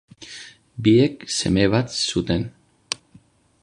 Biek seme bat zuten.